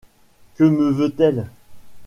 que me veut-elle ?